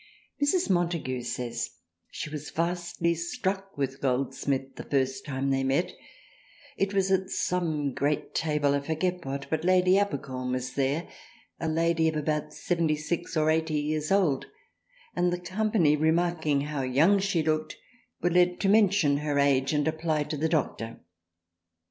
Mrs. Montague says she was vastly struck with Goldsmith the first time they met ; it was at some great Table, I forget what, but Lady Abercorn was there, a Lady of about 76 or 80 years old, and the Company remarking how young she looked were led to mention her age and apply to the Doctor.